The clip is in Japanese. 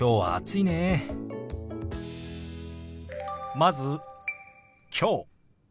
まず「きょう」。